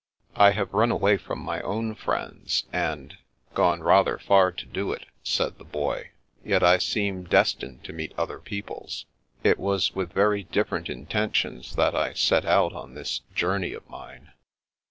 " I have run away from my own friends, and — gone rather far to do it," said the Boy. Yet I seem destined to meet other people's. It was with very different intentions that I set out on this journey of it mine."